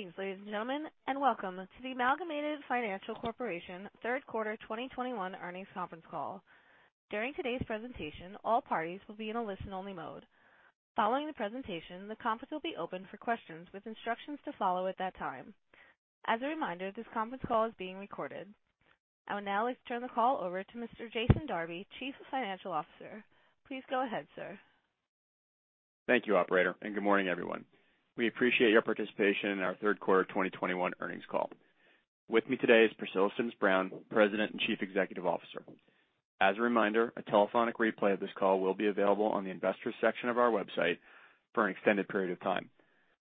Greetings, ladies and gentlemen, and welcome to the Amalgamated Financial Corp. Q3 2021 earnings conference call. During today's presentation, all parties will be in a listen-only mode. Following the presentation, the conference will be open for questions with instructions to follow at that time. As a reminder, this conference call is being recorded. I will now turn the call over to Mr. Jason Darby, Chief Financial Officer. Please go ahead, sir. Thank you, operator, and good morning, everyone. We appreciate your participation in our Q3 2021 earnings call. With me today is Priscilla Sims Brown, President and Chief Executive Officer. As a reminder, a telephonic replay of this call will be available on the investors section of our website for an extended period of time.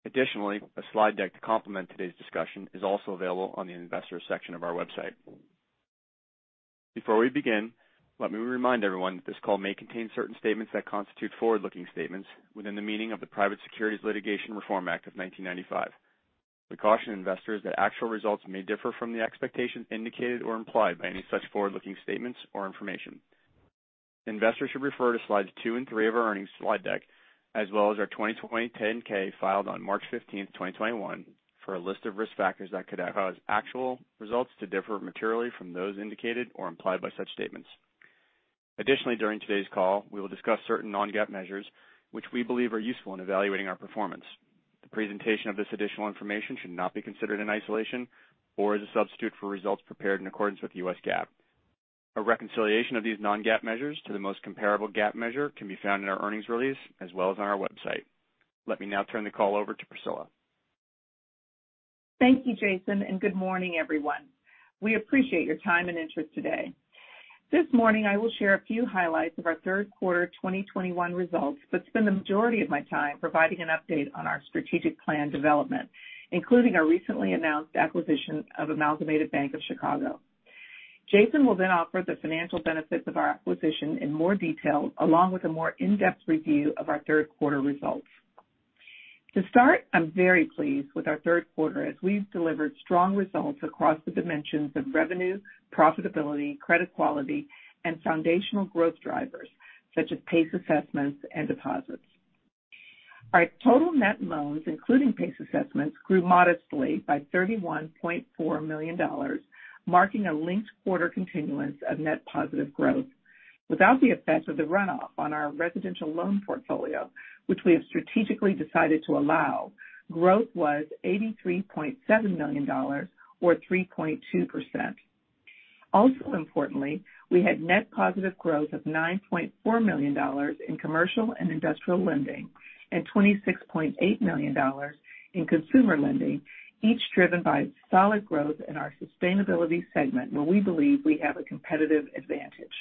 Additionally, a slide deck to complement today's discussion is also available on the investors section of our website. Before we begin, let me remind everyone that this call may contain certain statements that constitute forward-looking statements within the meaning of the Private Securities Litigation Reform Act of 1995. We caution investors that actual results may differ from the expectations indicated or implied by any such forward-looking statements or information. Investors should refer to slides two and three of our earnings slide deck, as well as our 2020 10-K filed on March 15, 2021 for a list of risk factors that could cause actual results to differ materially from those indicated or implied by such statements. Additionally, during today's call, we will discuss certain non-GAAP measures which we believe are useful in evaluating our performance. The presentation of this additional information should not be considered in isolation or as a substitute for results prepared in accordance with US GAAP. A reconciliation of these non-GAAP measures to the most comparable GAAP measure can be found in our earnings release as well as on our website. Let me now turn the call over to Priscilla. Thank you, Jason, and good morning, everyone. We appreciate your time and interest today. This morning I will share a few highlights of our Q3 2021 results, but spend the majority of my time providing an update on our strategic plan development, including our recently announced acquisition of Amalgamated Bank of Chicago. Jason will then offer the financial benefits of our acquisition in more detail, along with a more in-depth review of our Q3 results. To start, I'm very pleased with our Q3 as we've delivered strong results across the dimensions of revenue, profitability, credit quality, and foundational growth drivers such as pace assessments and deposits. Our total net loans, including pace assessments, grew modestly by $31.4 million, marking a linked quarter continuance of net positive growth. Without the effect of the runoff on our residential loan portfolio, which we have strategically decided to allow, growth was $83.7 million or 3.2%. Also importantly, we had net positive growth of $9.4 million in commercial and industrial lending and $26.8 million in consumer lending, each driven by solid growth in our sustainability segment, where we believe we have a competitive advantage.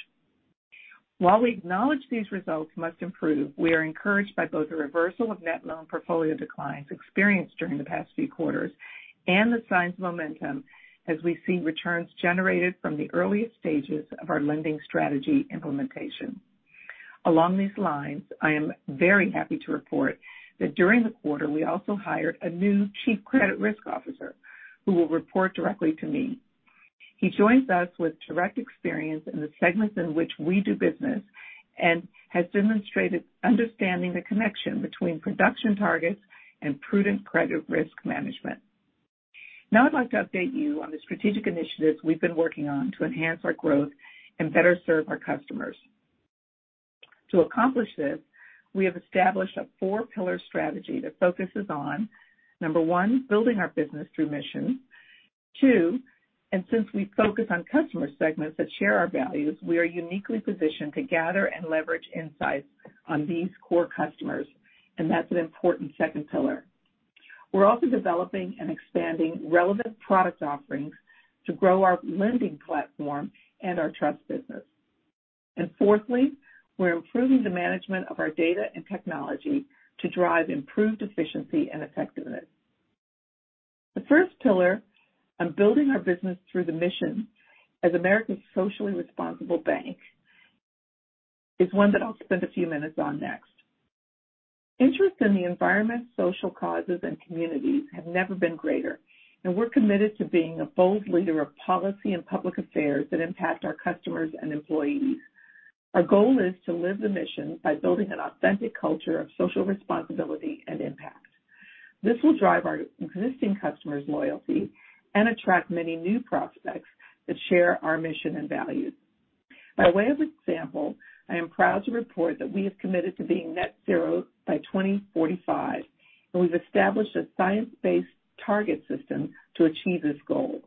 While we acknowledge these results must improve, we are encouraged by both the reversal of net loan portfolio declines experienced during the past few quarters and the signs of momentum as we see returns generated from the earliest stages of our lending strategy implementation. Along these lines, I am very happy to report that during the quarter we also hired a new chief credit risk officer who will report directly to me. He joins us with direct experience in the segments in which we do business and has demonstrated understanding the connection between production targets and prudent credit risk management. Now, I'd like to update you on the strategic initiatives we've been working on to enhance our growth and better serve our customers. To accomplish this, we have established a four-pillar strategy that focuses on, one, building our business through mission. two, and since we focus on customer segments that share our values, we are uniquely positioned to gather and leverage insights on these core customers, and that's an important second pillar. We're also developing and expanding relevant product offerings to grow our lending platform and our trust business. Fourthly, we're improving the management of our data and technology to drive improved efficiency and effectiveness. The 1st pillar on building our business through the mission as America's socially responsible bank is one that I'll spend a few minutes on next. Interest in the environment, social causes, and communities have never been greater, and we're committed to being a bold leader of policy and public affairs that impact our customers and employees. Our goal is to live the mission by building an authentic culture of social responsibility and impact. This will drive our existing customers' loyalty and attract many new prospects that share our mission and values. By way of example, I am proud to report that we have committed to being net zero by 2045, and we've established a science-based target system to achieve this goal.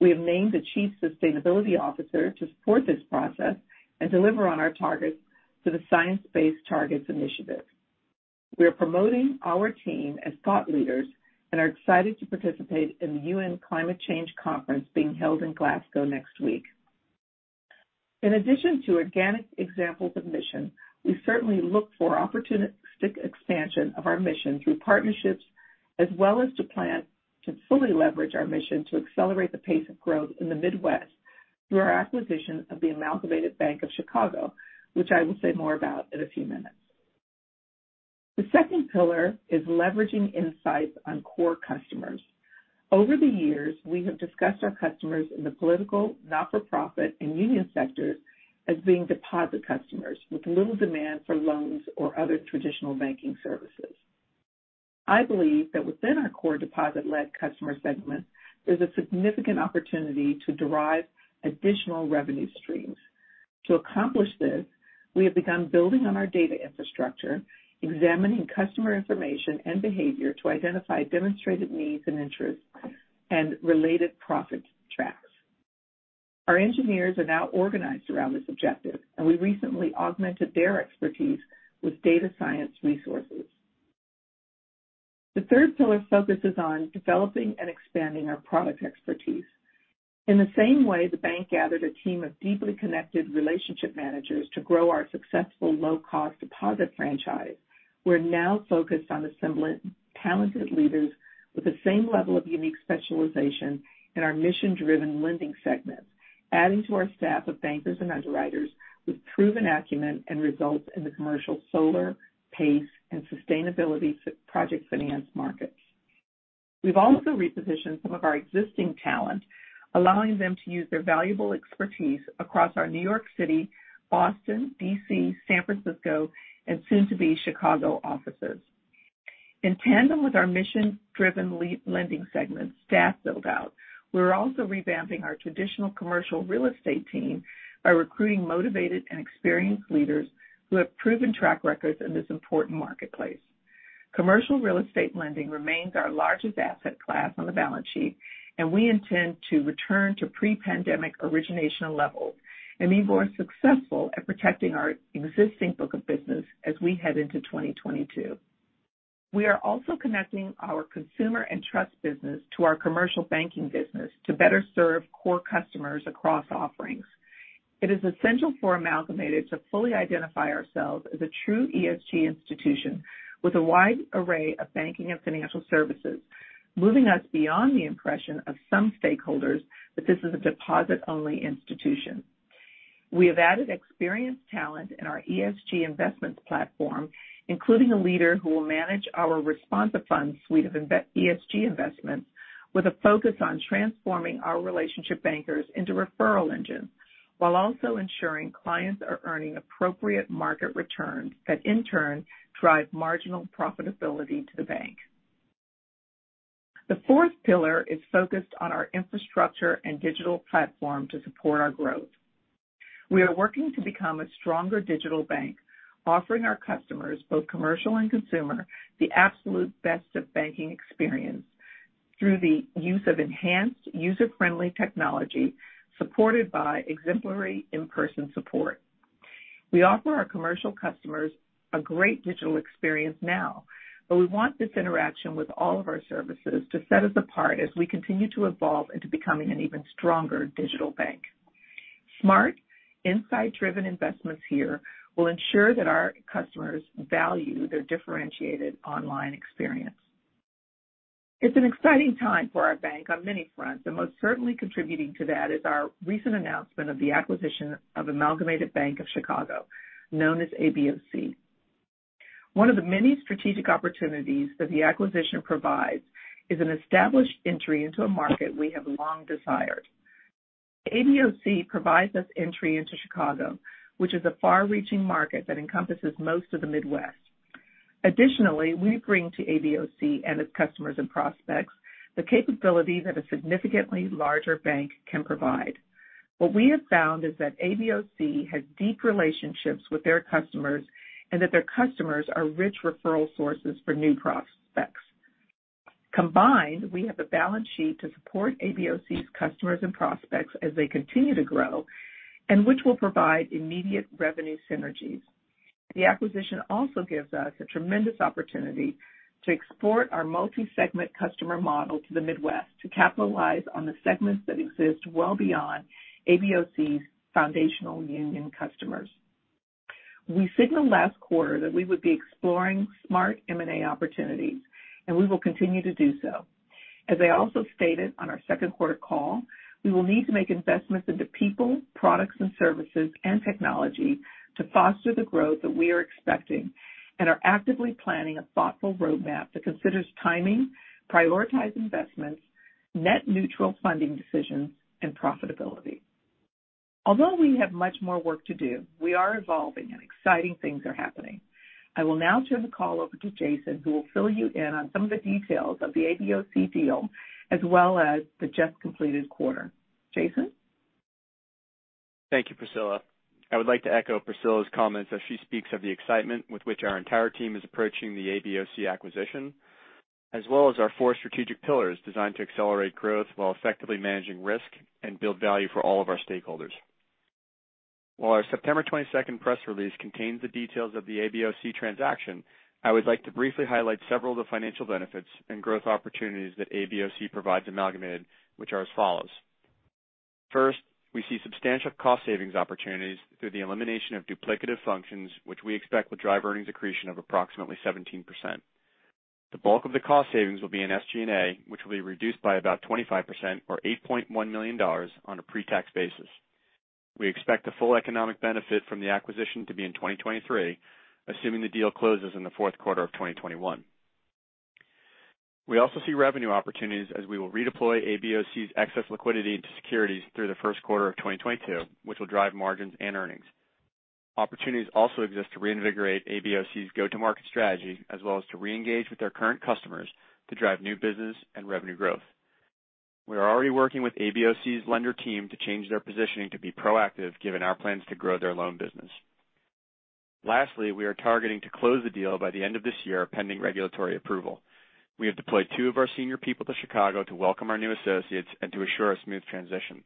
We have named a chief sustainability officer to support this process and deliver on our targets to the Science Based Targets initiative. We are promoting our team as thought leaders and are excited to participate in the UN Climate Change Conference being held in Glasgow next week. In addition to organic examples of mission, we certainly look for opportunistic expansion of our mission through partnerships, as well as to plan to fully leverage our mission to accelerate the pace of growth in the Midwest through our acquisition of the Amalgamated Bank of Chicago, which I will say more about in a few minutes. The second pillar is leveraging insights on core customers. Over the years, we have discussed our customers in the political, not-for-profit, and union sector as being deposit customers with little demand for loans or other traditional banking services. I believe that within our core deposit-led customer segment, there's a significant opportunity to derive additional revenue streams. To accomplish this, we have begun building on our data infrastructure, examining customer information and behavior to identify demonstrated needs and interests and related profit tracks. Our engineers are now organized around this objective, and we recently augmented their expertise with data science resources. The 3rd pillar focuses on developing and expanding our product expertise. In the same way the bank gathered a team of deeply connected relationship managers to grow our successful low-cost deposit franchise, we're now focused on assembling talented leaders with the same level of unique specialization in our mission-driven lending segments, adding to our staff of bankers and underwriters with proven acumen and results in the commercial solar, PACE, and sustainable project finance markets. We've also repositioned some of our existing talent, allowing them to use their valuable expertise across our New York City, Boston, D.C., San Francisco, and soon to be Chicago offices. In tandem with our mission-driven lending segment staff build-out, we're also revamping our traditional commercial real estate team by recruiting motivated and experienced leaders who have proven track records in this important marketplace. Commercial real estate lending remains our largest asset class on the balance sheet, and we intend to return to pre-pandemic origination levels and be more successful at protecting our existing book of business as we head into 2022. We are also connecting our consumer and trust business to our commercial banking business to better serve core customers across offerings. It is essential for Amalgamated to fully identify ourselves as a true ESG institution with a wide array of banking and financial services, moving us beyond the impression of some stakeholders that this is a deposit-only institution. We have added experienced talent in our ESG investments platform, including a leader who will manage our responsive funds suite of ESG investments with a focus on transforming our relationship bankers into referral engines while also ensuring clients are earning appropriate market returns that in turn drive marginal profitability to the bank. The fourth pillar is focused on our infrastructure and digital platform to support our growth. We are working to become a stronger digital bank, offering our customers, both commercial and consumer, the absolute best of banking experience through the use of enhanced user-friendly technology supported by exemplary in-person support. We offer our commercial customers a great digital experience now, but we want this interaction with all of our services to set us apart as we continue to evolve into becoming an even stronger digital bank. Smart, insight-driven investments here will ensure that our customers value their differentiated online experience. It's an exciting time for our bank on many fronts, and most certainly contributing to that is our recent announcement of the acquisition of Amalgamated Bank of Chicago, known as ABOC. One of the many strategic opportunities that the acquisition provides is an established entry into a market we have long desired. ABOC provides us entry into Chicago, which is a far-reaching market that encompasses most of the Midwest. Additionally, we bring to ABOC and its customers and prospects the capabilities that a significantly larger bank can provide. What we have found is that ABOC has deep relationships with their customers and that their customers are rich referral sources for new prospects. Combined, we have the balance sheet to support ABOC's customers and prospects as they continue to grow and which will provide immediate revenue synergies. The acquisition also gives us a tremendous opportunity to export our multi-segment customer model to the Midwest to capitalize on the segments that exist well beyond ABOC's foundational union customers. We signaled last quarter that we would be exploring smart M&A opportunities, and we will continue to do so. As I also stated on our Q2 call, we will need to make investments into people, products and services, and technology to foster the growth that we are expecting and are actively planning a thoughtful roadmap that considers timing, prioritized investments, net neutral funding decisions, and profitability. Although we have much more work to do, we are evolving and exciting things are happening. I will now turn the call over to Jason, who will fill you in on some of the details of the ABOC deal as well as the just completed quarter. Jason? Thank you, Priscilla. I would like to echo Priscilla's comments as she speaks of the excitement with which our entire team is approaching the ABOC acquisition, as well as our four strategic pillars designed to accelerate growth while effectively managing risk and build value for all of our stakeholders. While our September 22nd press release contains the details of the ABOC transaction, I would like to briefly highlight several of the financial benefits and growth opportunities that ABOC provides Amalgamated which are as follows. First, we see substantial cost savings opportunities through the elimination of duplicative functions which we expect will drive earnings accretion of approximately 17%. The bulk of the cost savings will be in SG&A which will be reduced by about 25% or $8.1 million on a pre-tax basis. We expect the full economic benefit from the acquisition to be in 2023, assuming the deal closes in the Q4 of 2021. We also see revenue opportunities as we will redeploy ABOC's excess liquidity into securities through the Q1 of 2022, which will drive margins and earnings. Opportunities also exist to reinvigorate ABOC's go-to-market strategy as well as to reengage with their current customers to drive new business and revenue growth. We are already working with ABOC's lender team to change their positioning to be proactive given our plans to grow their loan business. Lastly, we are targeting to close the deal by the end of this year, pending regulatory approval. We have deployed two of our senior people to Chicago to welcome our new associates and to assure a smooth transition.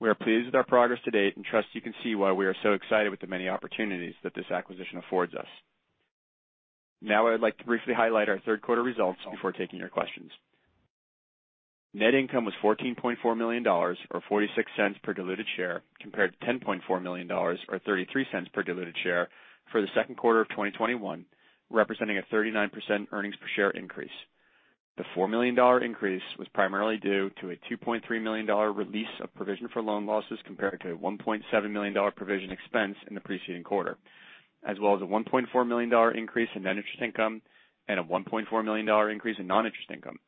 We are pleased with our progress to date and trust you can see why we are so excited with the many opportunities that this acquisition affords us. Now I would like to briefly highlight our Q3 results before taking your questions. Net income was $14.4 million or $0.46 per diluted share compared to $10.4 million or $0.33 per diluted share for the Q2 of 2021, representing a 39% earnings per share increase. The $4 million increase was primarily due to a $2.3 million release of provision for loan losses compared to a $1.7 million provision expense in the preceding quarter, as well as a $1.4 million increase in net interest income and a $1.4 million increase in non-interest income.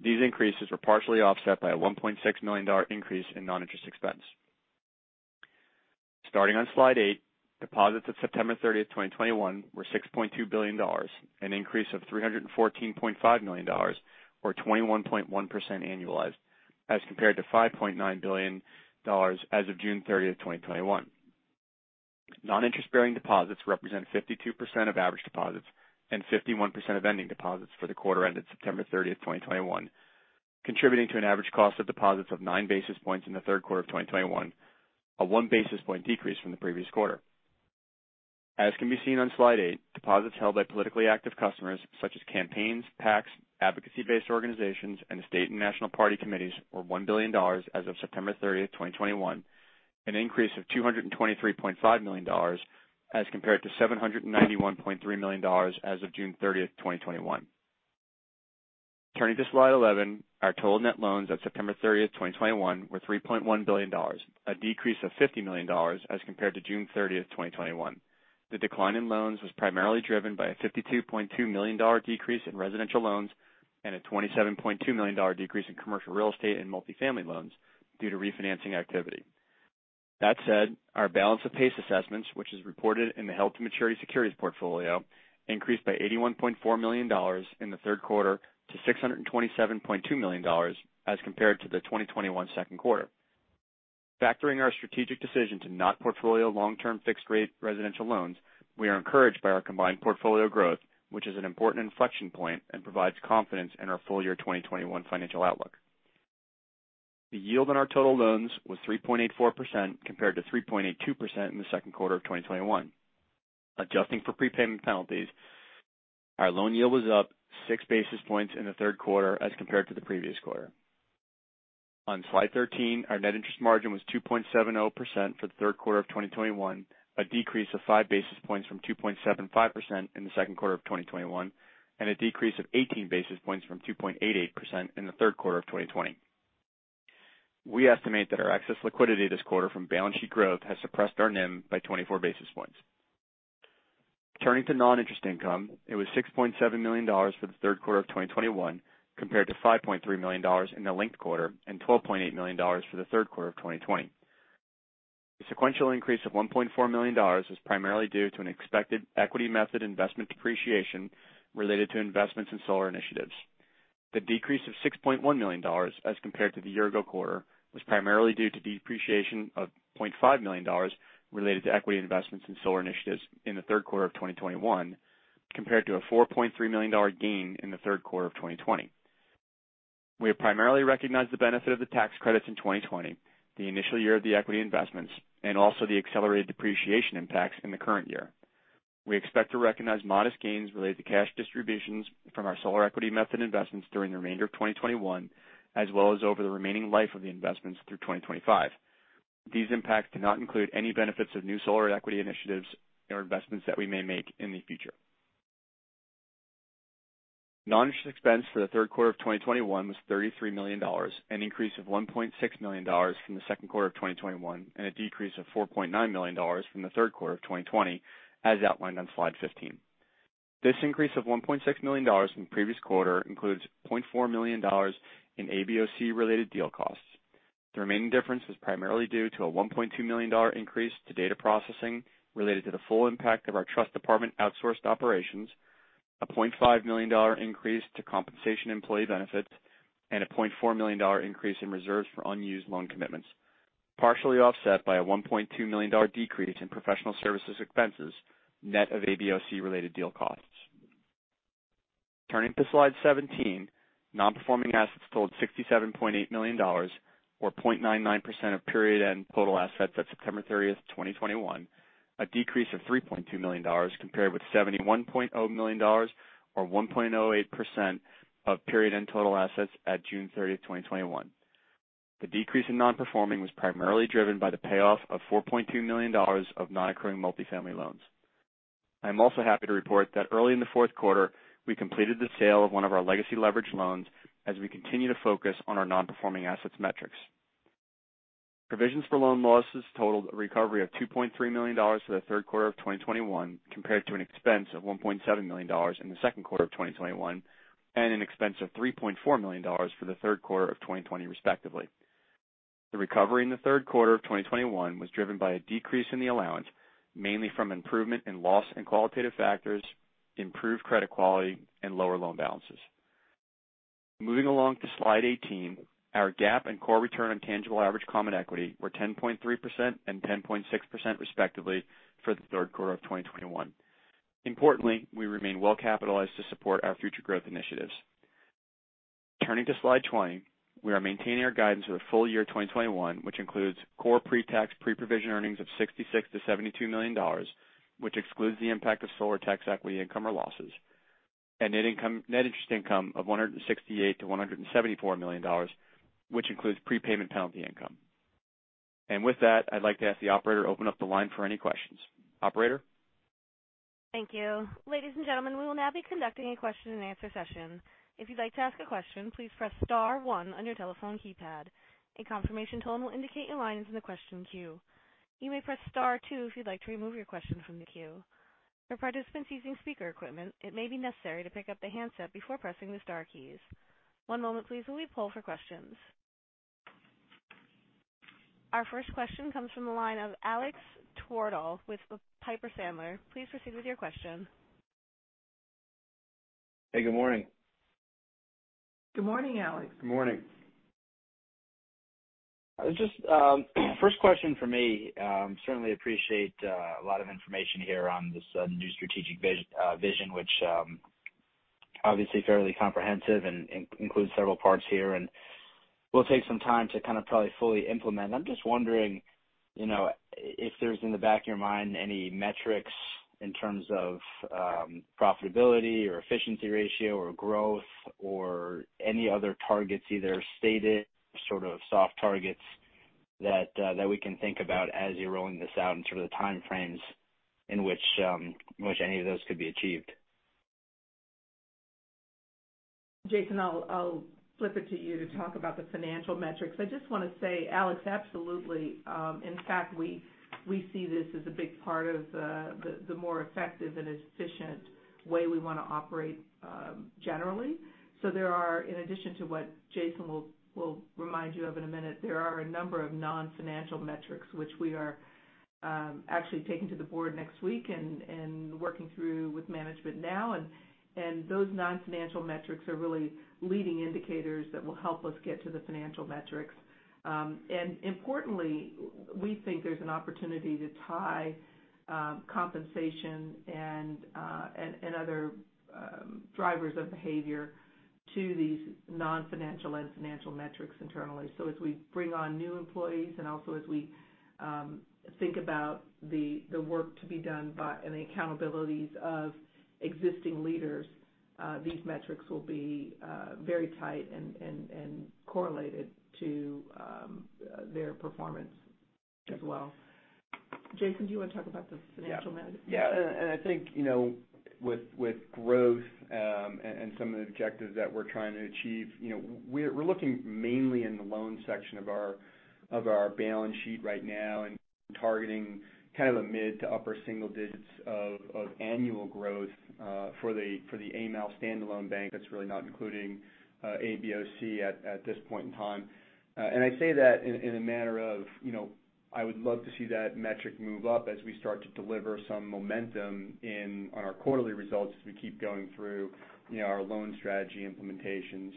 These increases were partially offset by a $1.6 million increase in non-interest expense. Starting on slide eight, deposits at September 30, 2021 were $6.2 billion, an increase of $314.5 million or 21.1% annualized as compared to $5.9 billion as of June 30, 2021. Non-interest-bearing deposits represent 52% of average deposits and 51% of ending deposits for the quarter ended September 30, 2021, contributing to an average cost of deposits of nine basis points in the Q3 of 2021, a one basis point decrease from the previous quarter. As can be seen on slide eight, deposits held by politically active customers such as campaigns, PACs, advocacy-based organizations, and state and national party committees were $1 billion as of September 30, 2021, an increase of $223.5 million as compared to $791.3 million as of June 30, 2021. Turning to slide 11, our total net loans at September 30th, 2021 were $3.1 billion, a decrease of $50 million as compared to June 30th, 2021. The decline in loans was primarily driven by a $52.2 million decrease in residential loans and a $27.2 million decrease in commercial real estate and multifamily loans due to refinancing activity. That said, our balance of PACE assessments, which is reported in the held to maturity securities portfolio, increased by $81.4 million in the Q3 to $627.2 million as compared to the 2021 Q2. Factoring our strategic decision to not portfolio long-term fixed rate residential loans, we are encouraged by our combined portfolio growth, which is an important inflection point and provides confidence in our full year 2021 financial outlook. The yield on our total loans was 3.84% compared to 3.82% in the Q2 of 2021. Adjusting for prepayment penalties, our loan yield was up six basis points in the Q3 as compared to the previous quarter. On slide 13, our net interest margin was 2.70% for the Q3 of 2021, a decrease of five basis points from 2.75% in the Q2 of 2021, and a decrease of 18 basis points from 2.88% in the Q3 of 2020. We estimate that our excess liquidity this quarter from balance sheet growth has suppressed our NIM by 24 basis points. Turning to non-interest income, it was $6.7 million for the Q3 of 2021 compared to $5.3 million in the linked quarter and $12.8 million for the Q3 of 2020. The sequential increase of $1.4 million was primarily due to an expected equity method investment depreciation related to investments in solar initiatives. The decrease of $6.1 million as compared to the year-ago quarter was primarily due to depreciation of $0.5 million related to equity investments in solar initiatives in the Q3 of 2021 compared to a $4.3 million gain in the Q3 of 2020. We have primarily recognized the benefit of the tax credits in 2020, the initial year of the equity investments, and also the accelerated depreciation impacts in the current year. We expect to recognize modest gains related to cash distributions from our solar equity method investments during the remainder of 2021 as well as over the remaining life of the investments through 2025. These impacts do not include any benefits of new solar equity initiatives or investments that we may make in the future. Non-interest expense for the Q3 of 2021 was $33 million, an increase of $1.6 million from the Q2 of 2021 and a decrease of $4.9 million from the Q3 of 2020 as outlined on slide 15. This increase of $1.6 million from the previous quarter includes $0.4 million in ABOC related deal costs. The remaining difference was primarily due to a $1.2 million increase to data processing related to the full impact of our trust department outsourced operations, a $0.5 million increase to compensation employee benefits, and a $0.4 million increase in reserves for unused loan commitments, partially offset by a $1.2 million decrease in professional services expenses net of ABOC related deal costs. Turning to slide 17, non-performing assets totaled $67.8 million or 0.99% of period-end total assets at September 30, 2021, a decrease of $3.2 million compared with $71.0 million or 1.08% of period-end total assets at June 30, 2021. The decrease in non-performing was primarily driven by the payoff of $4.2 million of non-accruing multifamily loans. I'm also happy to report that early in the Q4, we completed the sale of one of our legacy leveraged loans as we continue to focus on our non-performing assets metrics. Provisions for loan losses totaled a recovery of $2.3 million for the Q3 of 2021 compared to an expense of $1.7 million in the Q2 of 2021, and an expense of $3.4 million for the Q3 of 2020 respectively. The recovery in the Q3 of 2021 was driven by a decrease in the allowance, mainly from improvement in loss and qualitative factors, improved credit quality and lower loan balances. Moving along to slide 18. Our GAAP and core return on tangible average common equity were 10.3% and 10.6% respectively for the Q3 of 2021. Importantly, we remain well capitalized to support our future growth initiatives. Turning to slide 20. We are maintaining our guidance for the full year 2021, which includes core pre-tax, pre-provision earnings of $66 million-$72 million, which excludes the impact of solar tax equity income or losses, and net interest income of $168 million-$174 million, which includes prepayment penalty income. With that, I'd like to ask the operator to open up the line for any questions. Operator? Thank you. Ladies and gentlemen, we will now be conducting a question and answer session. Our 1st question comes from the line of Alex Twerdahl with Piper Sandler. Please proceed with your question. Hey, good morning. Good morning, Alex. Good morning. Just 1st question for me. Certainly appreciate a lot of information here on this new strategic vision, which obviously fairly comprehensive and includes several parts here, and will take some time to kind a probably fully implement. I'm just wondering, you know, if there's in the back of your mind any metrics in terms of profitability or efficiency ratio or growth or any other targets, either stated sort of soft targets that we can think about as you're rolling this out and sort of the time frames in which which any of those could be achieved. Jason, I'll flip it to you to talk about the financial metrics. I just wanna say, Alex, absolutely. In fact, we see this as a big part of the more effective and efficient way we wanna operate generally. There are, in addition to what Jason will remind you of in a minute, a number of non-financial metrics which we are actually taking to the board next week and working through with management now. Those non-financial metrics are really leading indicators that will help us get to the financial metrics. Importantly, we think there's an opportunity to tie compensation and other drivers of behavior to these non-financial and financial metrics internally. As we bring on new employees and also as we think about the work to be done by, and the accountabilities of existing leaders, these metrics will be very tight and correlated to their performance as well. Jason, do you wanna talk about the financial measures? Yeah, I think, you know, with growth and some of the objectives that we're trying to achieve, you know, we're looking mainly in the loan section of our balance sheet right now and targeting kind of the mid- to upper single digits of annual growth for the AMAL standalone bank. That's really not including ABOC at this point in time. I say that in a manner of, you know, I would love to see that metric move up as we start to deliver some momentum in our quarterly results as we keep going through, you know, our loan strategy implementation.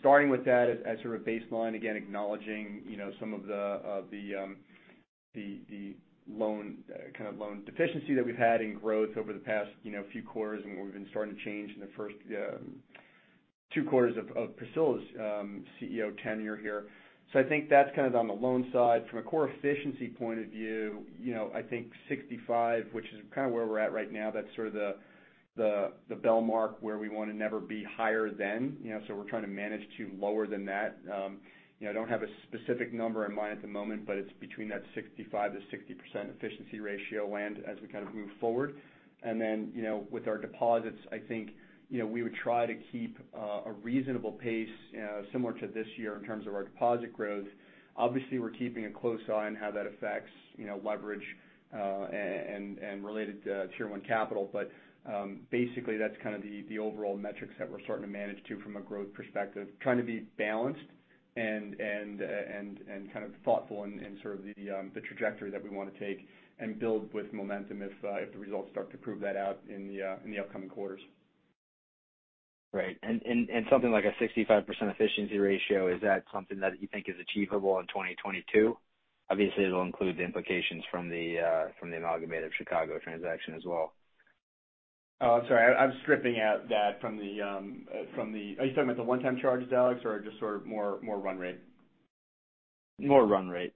Starting with that as sort of baseline, again, acknowledging, you know, some of the loan deficiency that we've had in growth over the past, you know, few quarters and we've been starting to change in the 1st Q2 of Priscilla's CEO tenure here. I think that's kind of on the loan side. From a core efficiency point of view, you know, I think 65, which is kind of where we're at right now, that's sort of the benchmark where we wanna never be higher than, you know. We're trying to manage to lower than that. You know, I don't have a specific number in mind at the moment, but it's between that 65%-60% efficiency ratio and as we kind of move forward. You know, with our deposits, I think, you know, we would try to keep a reasonable pace similar to this year in terms of our deposit growth. Obviously, we're keeping a close eye on how that affects, you know, leverage and related to Tier 1 capital. Basically, that's kind of the overall metrics that we're starting to manage to from a growth perspective. Trying to be balanced and kind of thoughtful in sort of the trajectory that we wanna take and build with momentum if the results start to prove that out in the upcoming quarters. Right. Something like a 65% efficiency ratio, is that something that you think is achievable in 2022? Obviously, it'll include the implications from the Amalgamated Chicago transaction as well. Oh, sorry. I'm stripping out that from the. Are you talking about the one-time charges, Alex, or just sort of more run rate? More run rate.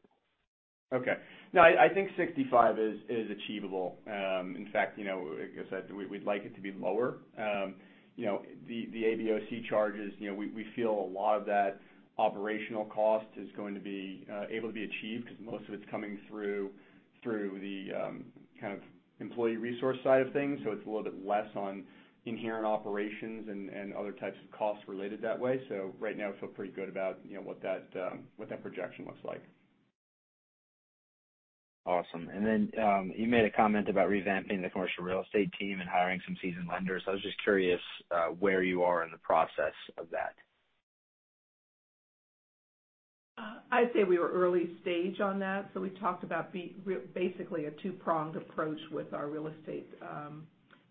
Okay. No, I think 65% is achievable. In fact, you know, like I said, we'd like it to be lower. You know, the ABOC charges, you know, we feel a lot of that operational cost is going to be able to be achieved because most of it's coming through the kind of employee resource side of things. So it's a little bit less on inherent operations and other types of costs related that way. So right now, I feel pretty good about, you know, what that projection looks like. Awesome. You made a comment about revamping the commercial real estate team and hiring some seasoned lenders. I was just curious where you are in the process of that. I'd say we were early stage on that. We talked about being basically a two-pronged approach with our real estate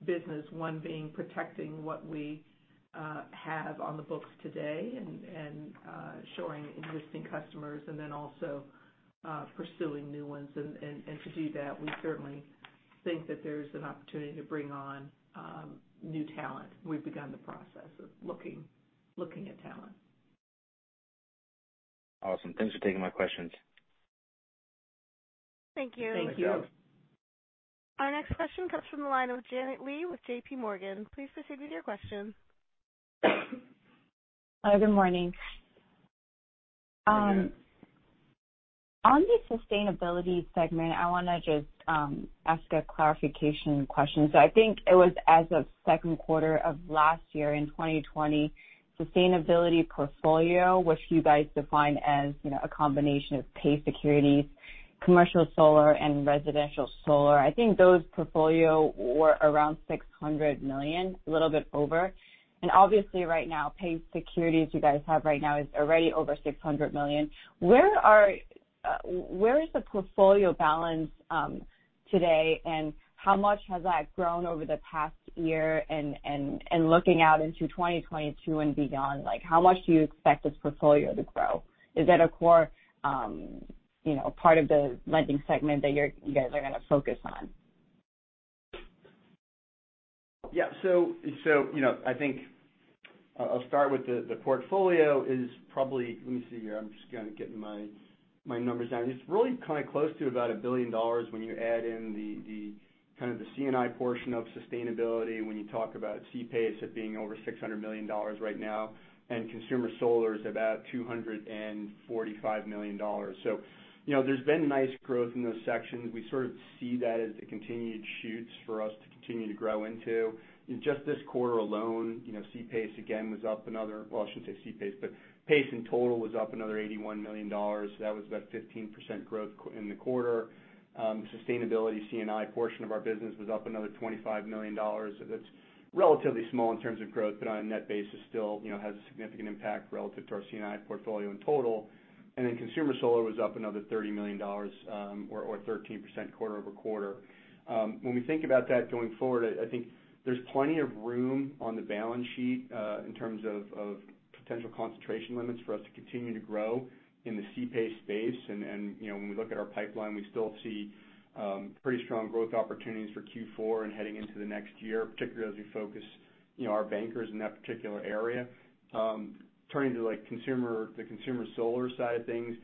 business. One being protecting what we have on the books today and showing existing customers and then also pursuing new ones. To do that, we certainly think that there's an opportunity to bring on new talent. We've begun the process of looking at talent. Awesome. Thanks for taking my questions. Thank you. Thank you. Thank you. Our next question comes from the line of Janet Lee with J.P. Morgan. Please proceed with your question. Hi, good morning. Good morning. On the sustainability segment, I wanna just ask a clarification question. I think it was as of Q2 of last year in 2020, sustainability portfolio, which you guys define as, you know, a combination of PACE securities, commercial solar, and residential solar. I think those portfolios were around $600 million, a little bit over. Obviously right now, PACE securities you guys have right now is already over $600 million. Where is the portfolio balance today, and how much has that grown over the past year? Looking out into 2022 and beyond, like, how much do you expect this portfolio to grow? Is that a core, you know, part of the lending segment that you guys are gonna focus on? Yeah, you know, I think I'll start with the portfolio is probably. Let me see here. I'm just gonna get my numbers down. It's really kind of close to about $1 billion when you add in the kind of the C&I portion of sustainability when you talk about CPACE being over $600 million right now, and consumer solar is about $245 million. You know, there's been nice growth in those sections. We sort of see that as continued shoots for us to continue to grow into. In just this quarter alone, you know, CPACE again was up another. Well, I shouldn't say CPACE, but PACE in total was up another $81 million. That was about 15% growth in the quarter. Sustainability C&I portion of our business was up another $25 million. That's relatively small in terms of growth, but on a net basis, still, you know, has a significant impact relative to our C&I portfolio in total. Consumer solar was up another $30 million, or 13% quarter-over-quarter. When we think about that going forward, I think there's plenty of room on the balance sheet, in terms of potential concentration limits for us to continue to grow in the CPACE space. And you know, when we look at our pipeline, we still see pretty strong growth opportunities for Q4 and heading into the next year, particularly as we focus you know, our bankers in that particular area. Turning to the consumer solar side of things,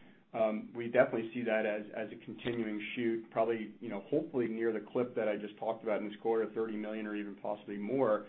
we definitely see that as a continuing spurt, probably, you know, hopefully near the clip that I just talked about in this quarter, $30 million or even possibly more.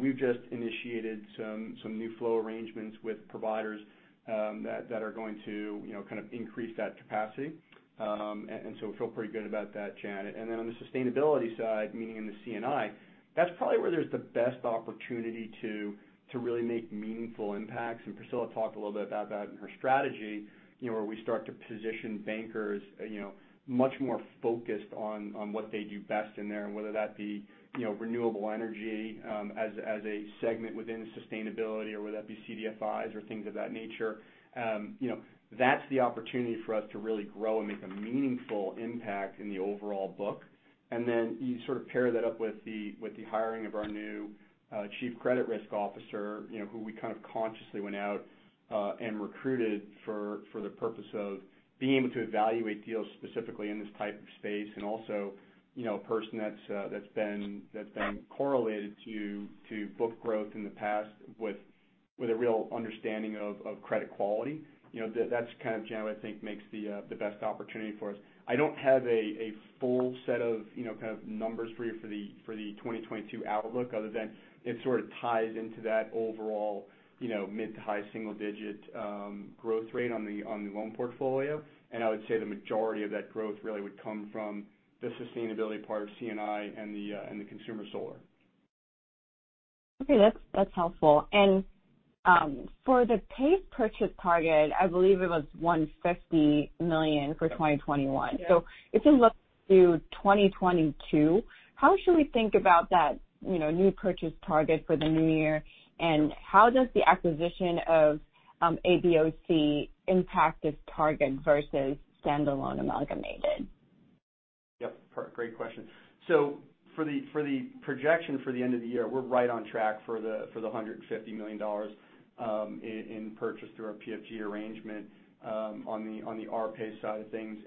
We've just initiated some new flow arrangements with providers that are going to, you know, kind of increase that capacity. We feel pretty good about that, Janet. On the sustainability side, meaning in the C&I, that's probably where there's the best opportunity to really make meaningful impacts. Priscilla talked a little bit about that in her strategy, you know, where we start to position bankers, you know, much more focused on what they do best in there, and whether that be, you know, renewable energy, as a segment within sustainability or whether that be CDFIs or things of that nature. You know, that's the opportunity for us to really grow and make a meaningful impact in the overall book. You sort of pair that up with the hiring of our new chief credit risk officer, you know, who we kind of consciously went out and recruited for the purpose of being able to evaluate deals specifically in this type of space. Also, you know, a person that's been correlated to book growth in the past with a real understanding of credit quality. You know, that's kind of, Janet, I think makes the best opportunity for us. I don't have a full set of, you know, kind of numbers for you for the 2022 outlook other than it sort of ties into that overall, you know, mid- to high-single-digit growth rate on the loan portfolio. I would say the majority of that growth really would come from the sustainability part of C&I and the consumer solar. Okay. That's helpful. For the PACE purchase target, I believe it was $150 million for 2021. Yeah. If you look to 2022, how should we think about that, you know, new purchase target for the new year? How does the acquisition of ABOC impact this target versus standalone Amalgamated? Great question. For the projection for the end of the year, we're right on track for the $150 million in purchase through our PFG arrangement on the RPACE side of things.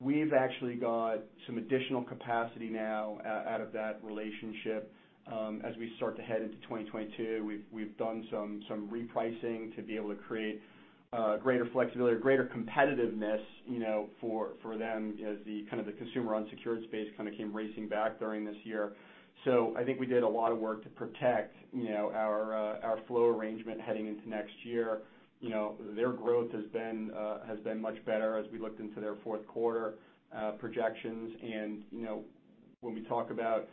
We've actually got some additional capacity now out of that relationship. As we start to head into 2022, we've done some repricing to be able to create greater flexibility or greater competitiveness, you know, for them as the kind of consumer unsecured space kind of came racing back during this year. I think we did a lot of work to protect, you know, our flow arrangement heading into next year. You know, their growth has been much better as we looked into their Q4 projections. When we talk about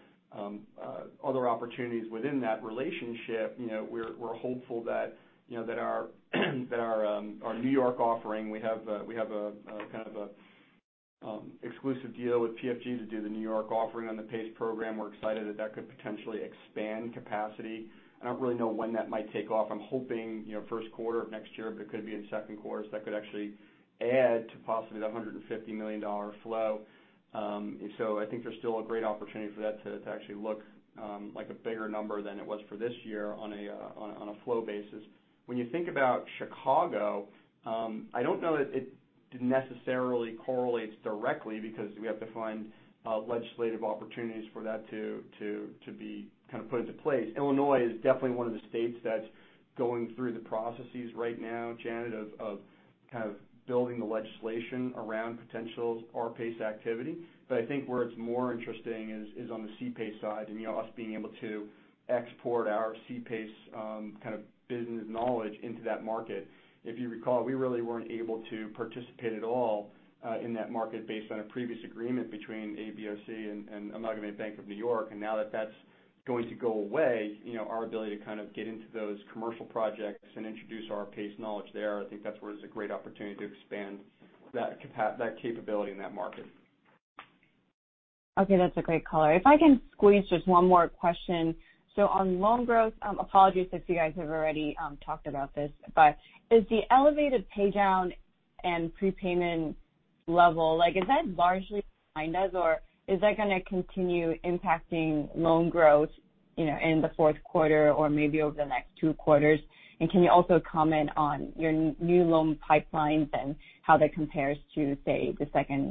other opportunities within that relationship, you know, we're hopeful that, you know, that our New York offering, we have a kind of a exclusive deal with PFG to do the New York offering on the PACE program. We're excited that that could potentially expand capacity. I don't really know when that might take off. I'm hoping, you know, Q1 of next year, but it could be in Q2. That could actually add to possibly that $150 million flow. I think there's still a great opportunity for that to actually look like a bigger number than it was for this year on a flow basis. When you think about Chicago, I don't know that it necessarily correlates directly because we have to find legislative opportunities for that to be kind of put into place. Illinois is definitely one of the states that's going through the processes right now, Janet, of kind of building the legislation around potential RPACE activity. But I think where it's more interesting is on the C PACE side and, you know, us being able to export our C PACE kind of business knowledge into that market. If you recall, we really weren't able to participate at all in that market based on a previous agreement between ABOC and I'm not gonna name the Bank of New York. Now that that's going to go away, you know, our ability to kind of get into those commercial projects and introduce our PACE knowledge there, I think that's where there's a great opportunity to expand that capability in that market. Okay, that's a great color. If I can squeeze just one more question. On loan growth, apologies if you guys have already talked about this, but is the elevated pay down and prepayment level, like is that largely behind us, or is that gonna continue impacting loan growth, you know, in the Q4 or maybe over the next Q2? And can you also comment on your new loan pipelines and how that compares to, say, to the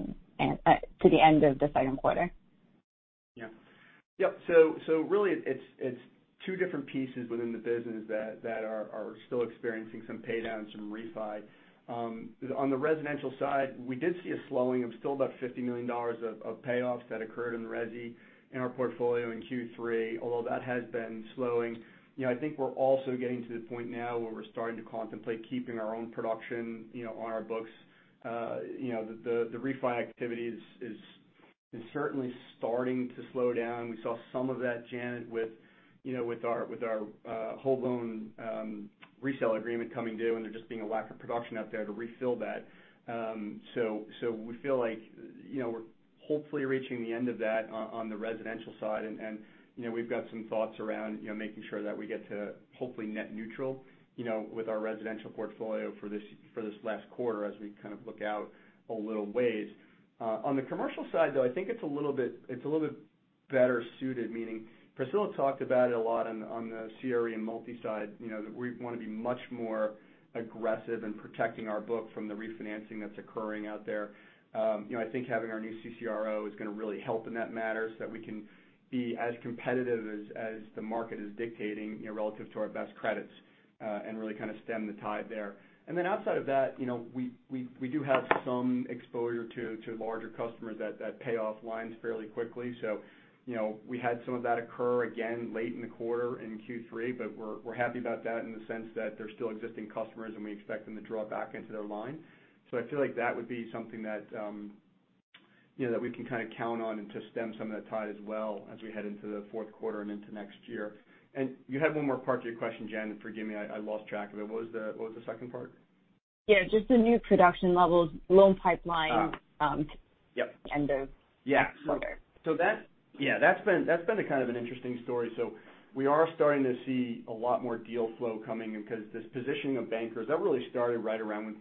end of the Q2? Really it's two different pieces within the business that are still experiencing some pay downs from refi. On the residential side, we did see a slowing of still about $50 million of payoffs that occurred in resi in our portfolio in Q3, although that has been slowing. You know, I think we're also getting to the point now where we're starting to contemplate keeping our own production, you know, on our books. The refi activity is certainly starting to slow down. We saw some of that, Janet, with our whole loan resale agreement coming due, and there just being a lack of production out there to refill that. We feel like, you know, we're hopefully reaching the end of that on the residential side. You know, we've got some thoughts around, you know, making sure that we get to hopefully net neutral, you know, with our residential portfolio for this last quarter as we kind of look out a little ways. On the commercial side, though, I think it's a little bit better suited, meaning Priscilla talked about it a lot on the CRE and multifamily, you know, that we wanna be much more aggressive in protecting our book from the refinancing that's occurring out there. I think having our new CCRO is gonna really help in that matter so that we can be as competitive as the market is dictating, you know, relative to our best credits, and really kind of stem the tide there. Outside of that, you know, we do have some exposure to larger customers that pay off lines fairly quickly. You know, we had some of that occur again late in the quarter in Q3, but we're happy about that in the sense that they're still existing customers, and we expect them to draw back into their line. I feel like that would be something that, you know, that we can kind of count on and to stem some of the tide as well as we head into the Q4 and into next year. You had one more part to your question, Janet. Forgive me. I lost track of it. What was the 2nd part? Yeah, just the new production levels, loan pipeline. Yep. end of next quarter. That's been a kind of an interesting story. We are starting to see a lot more deal flow coming in because this positioning of bankers that really started right around when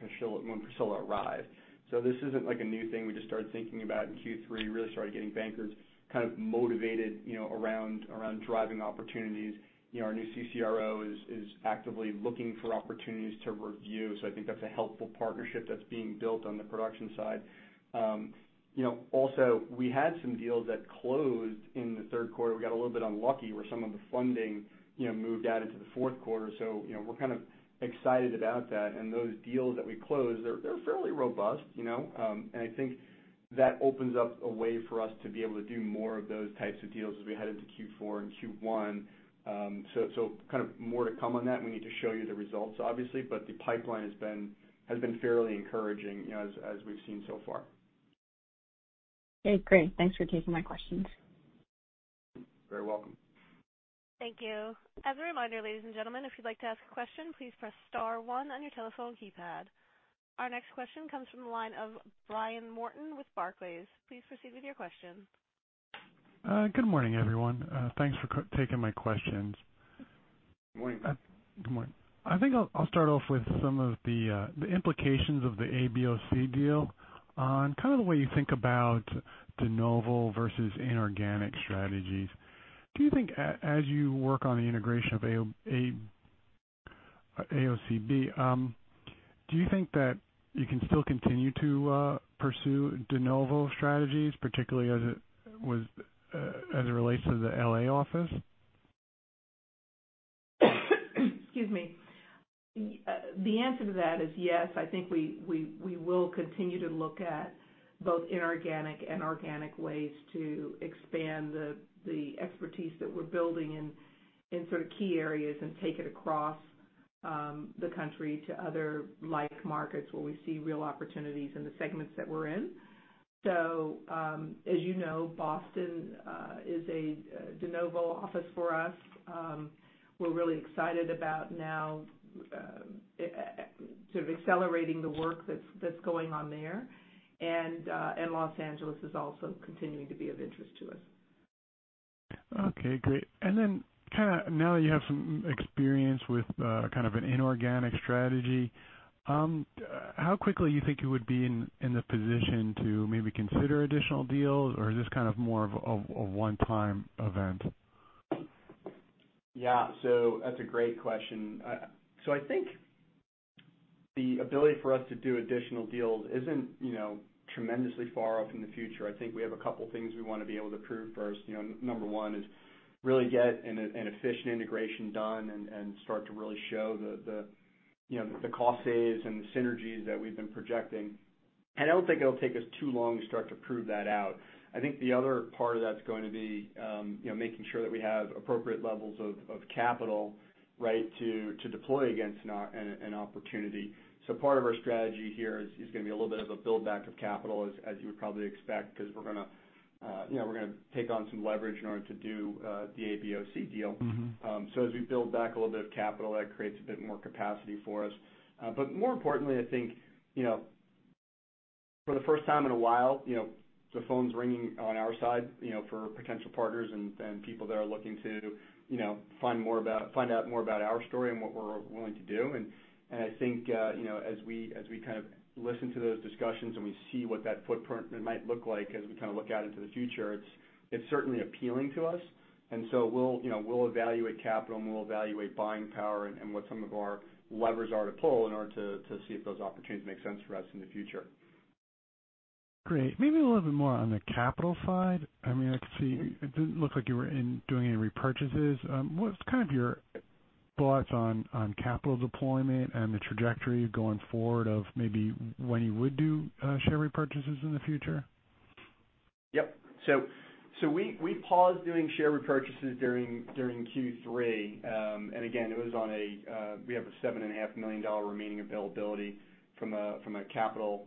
Priscilla arrived. This isn't like a new thing we just started thinking about in Q3. We really started getting bankers kind of motivated, you know, around driving opportunities. You know, our new CCRO is actively looking for opportunities to review. I think that's a helpful partnership that's being built on the production side. You know, also we had some deals that closed in the Q3. We got a little bit unlucky where some of the funding, you know, moved out into the Q4. You know, we're kind of excited about that. Those deals that we closed, they're fairly robust, you know. I think that opens up a way for us to be able to do more of those types of deals as we head into Q4 and Q1. So kind of more to come on that. We need to show you the results, obviously. The pipeline has been fairly encouraging, you know, as we've seen so far. Okay, great. Thanks for taking my questions. You're very welcome. Thank you. As a reminder, ladies and gentlemen, if you'd like to ask a question, please press star one on your telephone keypad. Our next question comes from the line of Brian Morton with Barclays. Please proceed with your question. Good morning, everyone. Thanks for taking my questions. Good morning. Good morning. I think I'll start off with some of the implications of the ABOC deal on kind of the way you think about de novo versus inorganic strategies. Do you think as you work on the integration of ABOC, do you think that you can still continue to pursue de novo strategies, particularly as it relates to the L.A. office? Excuse me. The answer to that is yes. I think we will continue to look at both inorganic and organic ways to expand the expertise that we're building in sort of key areas and take it across The country to other like markets where we see real opportunities in the segments that we're in. As you know, Boston is a de novo office for us. We're really excited about now sort of accelerating the work that's going on there. Los Angeles is also continuing to be of interest to us. Okay, great. Kind a now that you have some experience with kind of an inorganic strategy, how quickly you think you would be in the position to maybe consider additional deals? Is this kind of more of a one-time event? Yeah. That's a great question. I think the ability for us to do additional deals isn't, you know, tremendously far off in the future. I think we have a couple things we wanna be able to prove first. You know, number one is really get an efficient integration done and start to really show the, you know, the cost savings and the synergies that we've been projecting. I don't think it'll take us too long to start to prove that out. I think the other part of that's going to be, you know, making sure that we have appropriate levels of capital, right, to deploy against an opportunity. Part of our strategy here is gonna be a little bit of a build back of capital, as you would probably expect, 'cause we're gonna, you know, take on some leverage in order to do the ABOC deal. Mm-hmm. As we build back a little bit of capital, that creates a bit more capacity for us. More importantly, I think, you know, for the first time in a while, you know, the phone's ringing on our side, you know, for potential partners and people that are looking to, you know, find out more about our story and what we're willing to do. I think, you know, as we kind of listen to those discussions and we see what that footprint might look like as we kind of look out into the future, it's certainly appealing to us. We'll, you know, evaluate capital, and we'll evaluate buying power and what some of our levers are to pull in order to see if those opportunities make sense for us in the future. Great. Maybe a little bit more on the capital side. I mean, I can see it didn't look like you were doing any repurchases. What's kind of your thoughts on capital deployment and the trajectory going forward of maybe when you would do share repurchases in the future? We paused doing share repurchases during Q3. Again, we have a $7.5 million remaining availability from a capital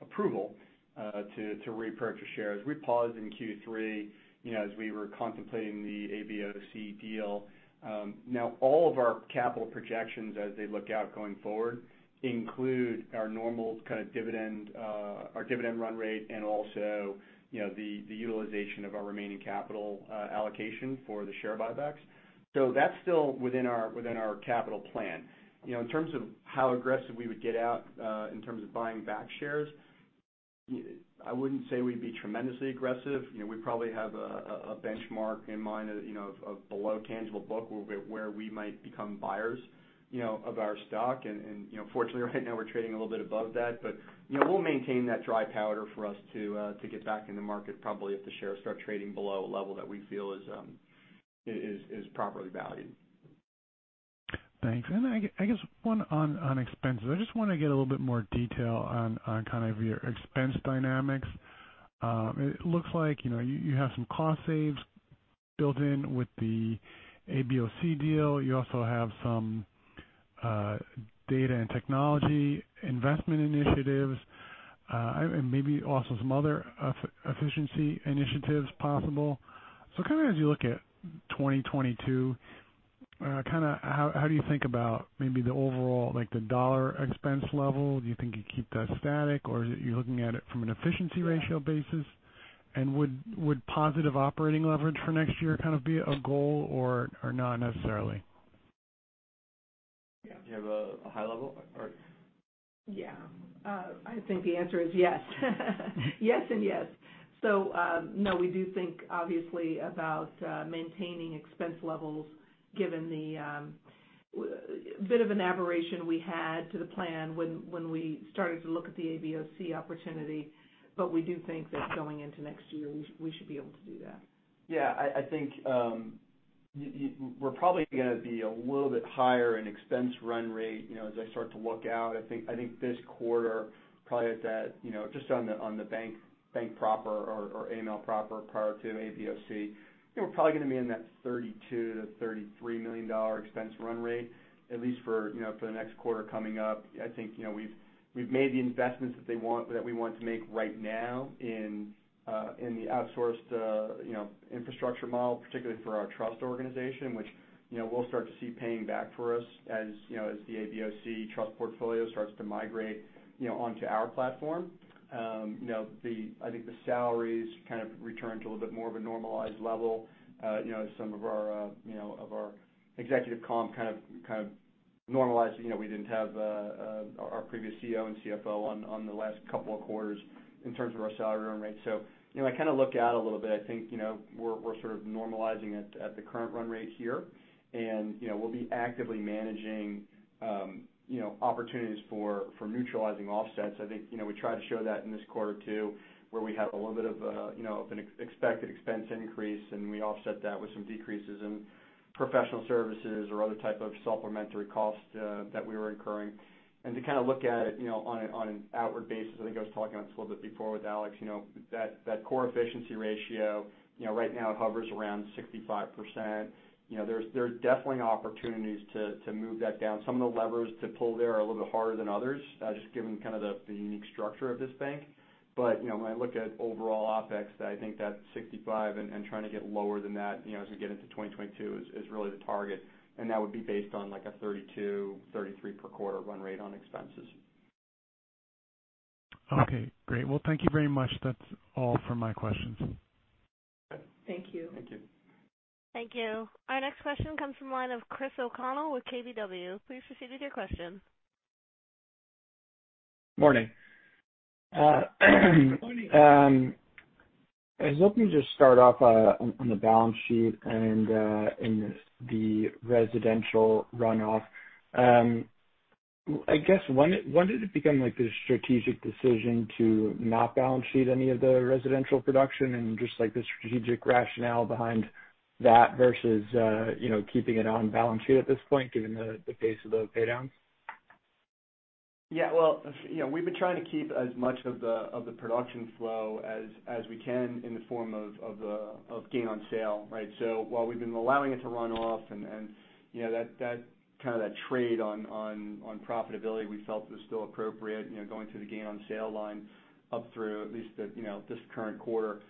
approval to repurchase shares. We paused in Q3, you know, as we were contemplating the ABOC deal. Now all of our capital projections as they look out going forward include our normal kind of dividend, our dividend run rate and also, you know, the utilization of our remaining capital allocation for the share buybacks. That's still within our capital plan. You know, in terms of how aggressive we would get out in terms of buying back shares, I wouldn't say we'd be tremendously aggressive. You know, we probably have a benchmark in mind, you know, of below tangible book where we might become buyers, you know, of our stock. You know, fortunately right now we're trading a little bit above that. You know, we'll maintain that dry powder for us to get back in the market probably if the shares start trading below a level that we feel is properly valued. Thanks. I guess one on expenses. I just wanna get a little bit more detail on kind of your expense dynamics. It looks like, you know, you have some cost saves built in with the ABOC deal. You also have some data and technology investment initiatives, and maybe also some other efficiency initiatives possible. Kind of as you look at 2022, kind a how do you think about maybe the overall, like the dollar expense level? Do you think you keep that static, or you're looking at it from an efficiency ratio basis? Would positive operating leverage for next year kind of be a goal or not necessarily? Yeah. Do you have a high level or... Yeah. I think the answer is yes. Yes and yes. No, we do think obviously about maintaining expense levels given the bit of an aberration we had to the plan when we started to look at the ABOC opportunity. We do think that going into next year, we should be able to do that. Yeah. I think we're probably gonna be a little bit higher in expense run rate, you know, as I start to look out. I think this quarter probably at that, you know, just on the bank proper or AMAL proper prior to ABOC, you know, we're probably gonna be in that $32 million-$33 million expense run rate, at least for the next quarter coming up. I think we've made the investments that we want to make right now in the outsourced infrastructure model, particularly for our trust organization, which we'll start to see paying back for us as the ABOC trust portfolio starts to migrate onto our platform. I think the salaries kind of return to a little bit more of a normalized level. You know, some of our, you know, of our executive comp kind of normalized. You know, we didn't have our previous CEO and CFO on the last couple of quarters in terms of our salary run rate. You know, I kind of look out a little bit. I think, you know, we're sort of normalizing at the current run rate here. You know, we'll be actively managing, you know, opportunities for neutralizing offsets. I think, you know, we try to show that in this quarter too, where we have a little bit of, you know, an expected expense increase, and we offset that with some decreases in professional services or other type of supplementary costs that we were incurring. To kind of look at it, you know, on an outward basis, I think I was talking about this a little bit before with Alex, you know, that core efficiency ratio, you know, right now it hovers around 65%. You know, there are definitely opportunities to move that down. Some of the levers to pull there are a little bit harder than others, just given kind of the unique structure of this bank. You know, when I look at overall OpEx, I think that 65% and trying to get lower than that, you know, as we get into 2022 is really the target, and that would be based on like a $32-$33 per quarter run rate on expenses. Okay, great. Well, thank you very much. That's all for my questions. Thank you. Thank you. Thank you. Our next question comes from the line of Chris O'Connell with KBW. Please proceed with your question. Morning. Morning. I was hoping to just start off on the balance sheet and in the residential runoff. I guess, when did it become like the strategic decision to not balance sheet any of the residential production and just like the strategic rationale behind that versus you know keeping it on balance sheet at this point, given the pace of the pay downs? Yeah. Well, you know, we've been trying to keep as much of the production flow as we can in the form of gain on sale, right? While we've been allowing it to run off and you know, that kind of trade on profitability, we felt was still appropriate, you know, going through the gain on sale line up through at least you know, this current quarter.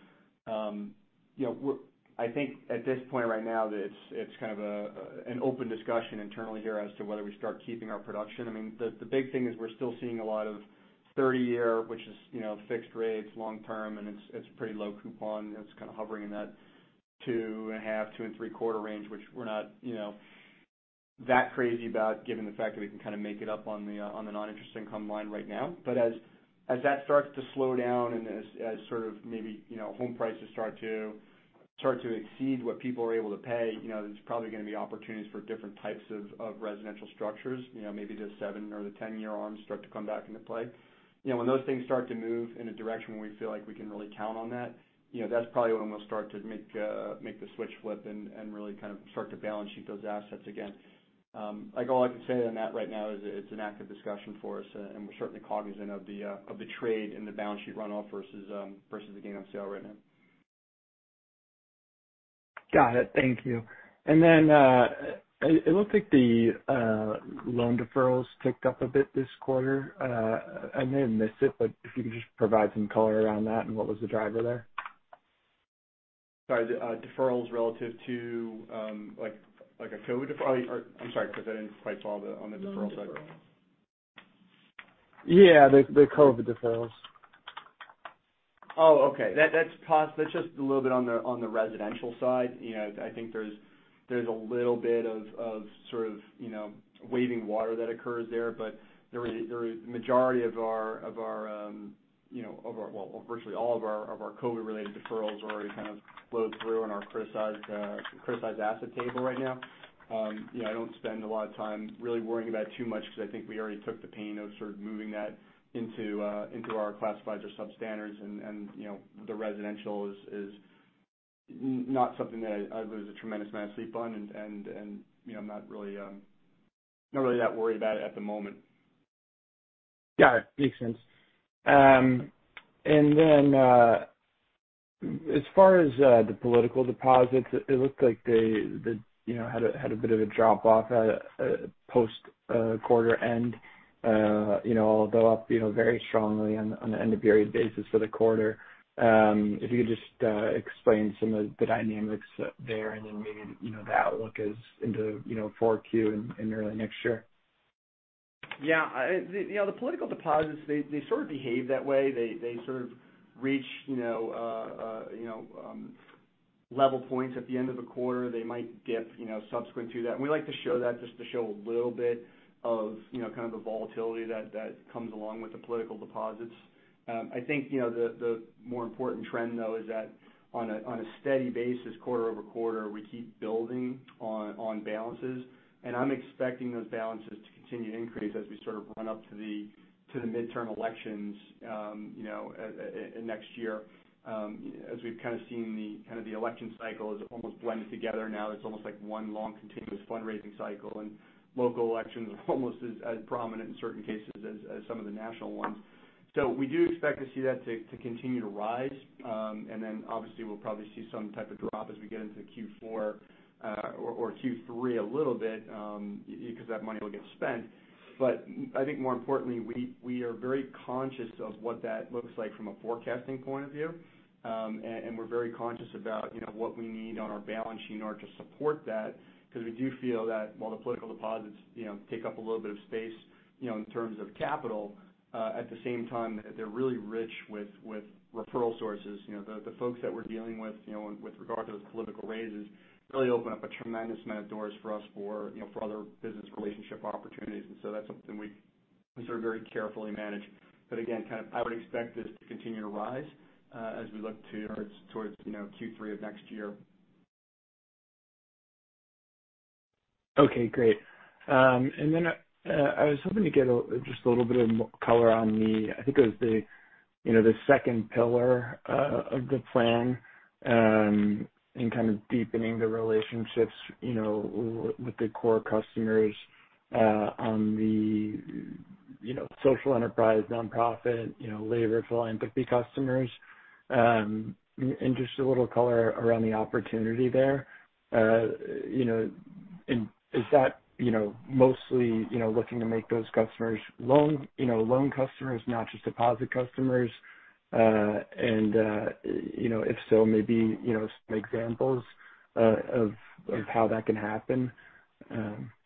You know, I think at this point right now that it's kind of an open discussion internally here as to whether we start keeping our production. I mean, the big thing is we're still seeing a lot of 30-year, which is you know, fixed rates, long-term, and it's pretty low coupon. It's kind of hovering in that 2.5-2.75 range, which we're not, you know, that crazy about given the fact that we can kind of make it up on the non-interest income line right now. As that starts to slow down and as sort of maybe, you know, home prices start to exceed what people are able to pay, you know, there's probably gonna be opportunities for different types of residential structures. You know, maybe the seven or 10-year arms start to come back into play. You know, when those things start to move in a direction where we feel like we can really count on that, you know, that's probably when we'll start to make the switch flip and really kind of start to balance sheet those assets again. Like all I can say on that right now is it's an active discussion for us, and we're certainly cognizant of the trade in the balance sheet runoff versus the gain on sale right now. Got it. Thank you. It looked like the loan deferrals ticked up a bit this quarter. I may have missed it, but if you could just provide some color around that and what was the driver there. Sorry, the deferrals relative to like a COVID deferral? Or I'm sorry, 'cause I didn't quite follow the on the deferral side. Yeah, the COVID deferrals. Oh, okay. That's just a little bit on the residential side. You know, I think there's a little bit of sort of treading water that occurs there. But virtually all of our COVID-related deferrals are already kind of flowed through on our criticized asset table right now. You know, I don't spend a lot of time really worrying about too much because I think we already took the pain of sort of moving that into our classified or substandard. You know, the residential is not something that I lose a tremendous amount of sleep on. You know, I'm not really that worried about it at the moment. Got it. Makes sense. As far as the political deposits, it looked like they, you know, had a bit of a drop off at post quarter end. You know, although up very strongly on an end of period basis for the quarter. If you could just explain some of the dynamics there and then maybe, you know, the outlook as into 4Q and early next year. Yeah. The, you know, the political deposits, they sort of behave that way. They sort of reach, you know, level points at the end of the quarter. They might dip, you know, subsequent to that. We like to show that just to show a little bit of, you know, kind of the volatility that comes along with the political deposits. I think, you know, the more important trend, though, is that on a steady basis, quarter-over-quarter, we keep building on balances, and I'm expecting those balances to continue to increase as we sort of run up to the midterm elections, you know, next year. As we've kind of seen the kind of the election cycle is almost blended together now. It's almost like one long continuous fundraising cycle, and local elections are almost as prominent in certain cases as some of the national ones. We do expect to see that to continue to rise. Obviously we'll probably see some type of drop as we get into Q4 or Q3 a little bit, because that money will get spent. I think more importantly, we are very conscious of what that looks like from a forecasting point of view. We're very conscious about, you know, what we need on our balance sheet in order to support that, because we do feel that while the political deposits, you know, take up a little bit of space, you know, in terms of capital, at the same time, they're really rich with referral sources. You know, the folks that we're dealing with, you know, with regard to those political PACs really open up a tremendous amount of doors for us for, you know, for other business relationship opportunities. That's something we sort of very carefully manage. Again, kind of I would expect this to continue to rise as we look towards, you know, Q3 of next year. Okay, great. I was hoping to get just a little bit of color on the, I think it was the, you know, the second pillar of the plan, in kind of deepening the relationships, you know, with the core customers, on the, you know, social enterprise, nonprofit, you know, labor philanthropy customers. Just a little color around the opportunity there. You know, is that, you know, mostly, you know, looking to make those customers loan, you know, loan customers, not just deposit customers? You know, if so, maybe, you know, some examples of how that can happen. Yeah.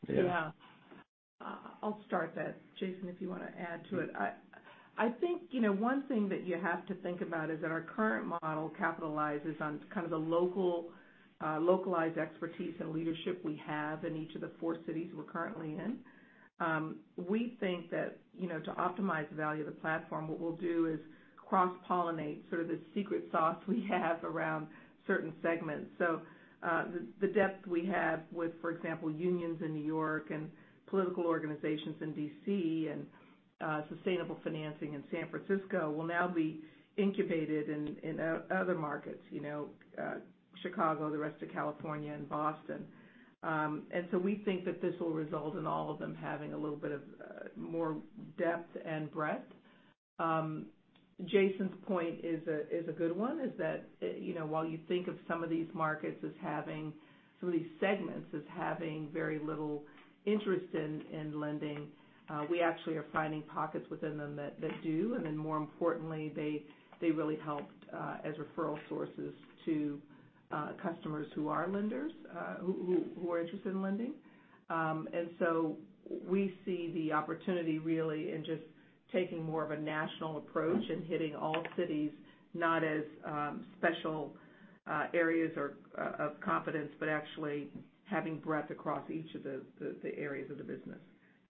Yeah. I'll start that. Jason, if you wanna add to it. I think, you know, one thing that you have to think about is that our current model capitalizes on kind of the local, localized expertise and leadership we have in each of the four cities we're currently in. We think that, you know, to optimize the value of the platform, what we'll do is cross-pollinate sort of the secret sauce we have around certain segments. The depth we have with, for example, unions in New York and political organizations in D.C. and sustainable financing in San Francisco will now be incubated in other markets, you know, Chicago, the rest of California and Boston. We think that this will result in all of them having a little bit of more depth and breadth. Jason's point is a good one, that you know, while you think of some of these markets as having some of these segments as having very little interest in lending, we actually are finding pockets within them that do. More importantly, they really helped as referral sources to customers who are lenders who are interested in lending. We see the opportunity really in just taking more of a national approach and hitting all cities not as special areas of competence, but actually having breadth across each of the areas of the business.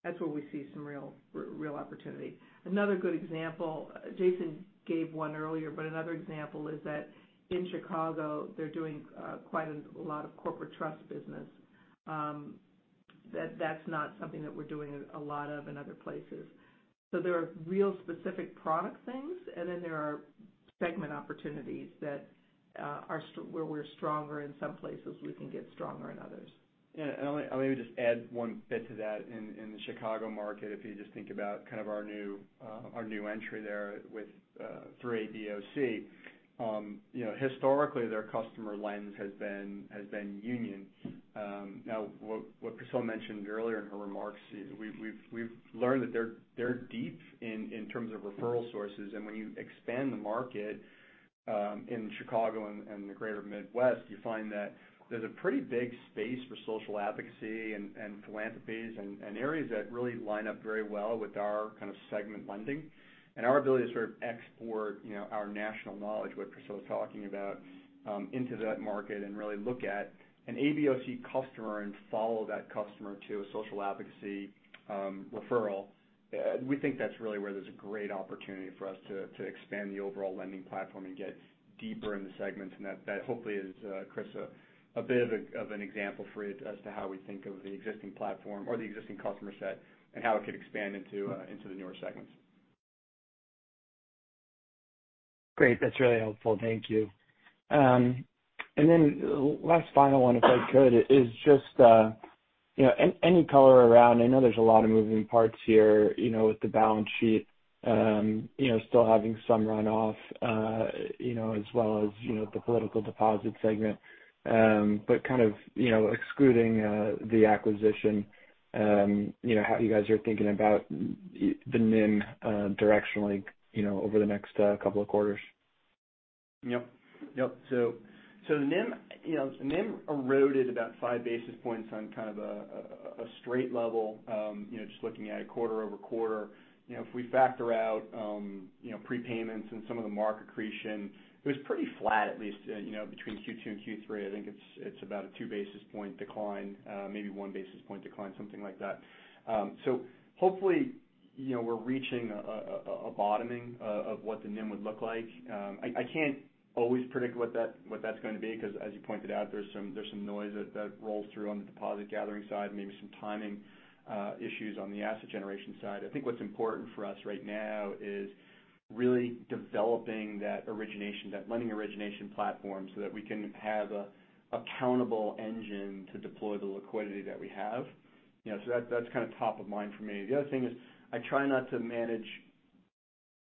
That's where we see some real opportunity. Another good example, Jason gave one earlier, but another example is that in Chicago they're doing quite a lot of corporate trust business. That's not something that we're doing a lot of in other places. There are real specific product things, and then there are segment opportunities that, where we're stronger in some places, we can get stronger in others. Yeah. I'll maybe just add one bit to that. In the Chicago market, if you just think about kind of our new entry there through ABOC. You know, historically their customer lens has been union. Now what Priscilla mentioned earlier in her remarks, we've learned that they're deep in terms of referral sources. When you expand the market in Chicago and the greater Midwest, you find that there's a pretty big space for social advocacy and philanthropies and areas that really line up very well with our kind of segment lending. Our ability to sort of export, you know, our national knowledge, what Priscilla was talking about, into that market and really look at an ABOC customer and follow that customer to a social advocacy referral. We think that's really where there's a great opportunity for us to expand the overall lending platform and get deeper in the segments. That hopefully is, Chris, a bit of an example for you as to how we think of the existing platform or the existing customer set and how it could expand into the newer segments. Great. That's really helpful. Thank you. Last final one, if I could, is just, you know, any color around. I know there's a lot of moving parts here, you know, with the balance sheet, you know, still having some runoff, you know, as well as, you know, the political deposit segment. Kind of, you know, excluding, the acquisition, you know, how you guys are thinking about the NIM, directionally, you know, over the next, couple of quarters. Yep. The NIM, you know, NIM eroded about five basis points on kind of a straight level, you know, just looking at it quarter-over-quarter. You know, if we factor out prepayments and some of the mark accretion, it was pretty flat, at least, you know, between Q2 and Q3. I think it's about a two basis points decline, maybe one basis points decline, something like that. Hopefully, you know, we're reaching a bottoming of what the NIM would look like. I can't always predict where that's going to be 'cause as you pointed out, there's some noise that rolls through on the deposit gathering side, maybe some timing issues on the asset generation side. I think what's important for us right now is really developing that origination, that lending origination platform, so that we can have an accountable engine to deploy the liquidity that we have. You know, so that's kind of top of mind for me. The other thing is I try not to manage,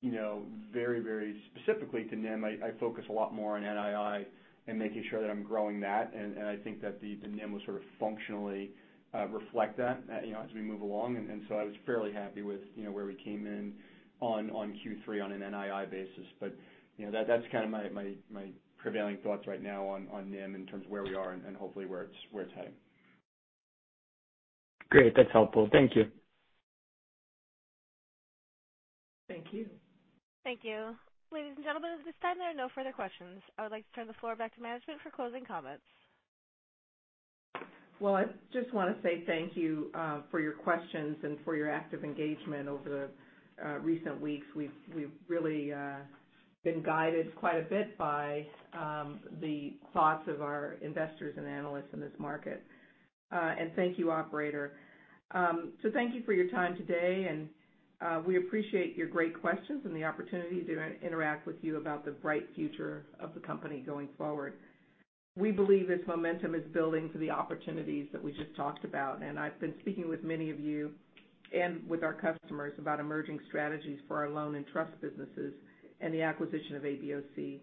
you know, very, very specifically to NIM. I focus a lot more on NII and making sure that I'm growing that. I think that the NIM will sort of functionally reflect that, you know, as we move along. I was fairly happy with, you know, where we came in on Q3 on an NII basis. You know, that's kind of my prevailing thoughts right now on NIM in terms of where we are and hopefully where it's heading. Great. That's helpful. Thank you. Thank you. Thank you. Ladies and gentlemen, at this time, there are no further questions. I would like to turn the floor back to management for closing comments. Well, I just wanna say thank you for your questions and for your active engagement over the recent weeks. We've really been guided quite a bit by the thoughts of our investors and analysts in this market. Thank you, operator. Thank you for your time today, and we appreciate your great questions and the opportunity to interact with you about the bright future of the company going forward. We believe this momentum is building for the opportunities that we just talked about. I've been speaking with many of you and with our customers about emerging strategies for our loan and trust businesses and the acquisition of ABOC.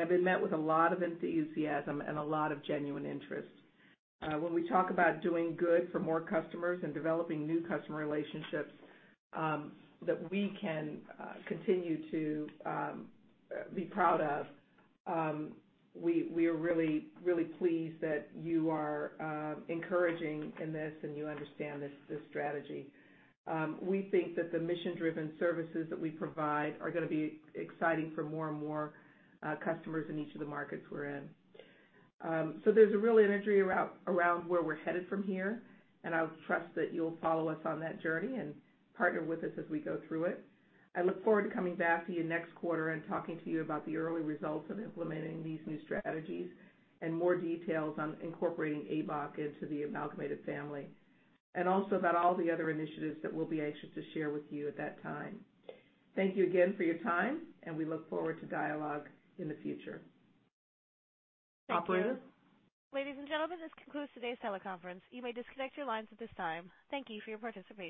I've been met with a lot of enthusiasm and a lot of genuine interest. When we talk about doing good for more customers and developing new customer relationships, that we can continue to be proud of, we are really pleased that you are encouraging in this and you understand this strategy. We think that the mission-driven services that we provide are gonna be exciting for more and more customers in each of the markets we're in. There's a real energy around where we're headed from here, and I trust that you'll follow us on that journey and partner with us as we go through it. I look forward to coming back to you next quarter and talking to you about the early results of implementing these new strategies and more details on incorporating ABOC into the Amalgamated family. also about all the other initiatives that we'll be anxious to share with you at that time. Thank you again for your time, and we look forward to dialogue in the future. Thank you. Operator? Ladies and gentlemen, this concludes today's teleconference. You may disconnect your lines at this time. Thank you for your participation.